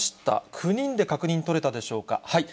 ９人で確認取れたでしょうか。